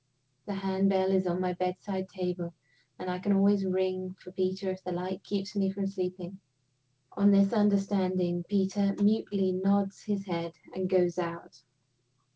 The hand bell is on my bedside table; and I can always ring for Peter if the light keeps me from sleeping. On this understanding, Peter mutely nods his head, and goes out.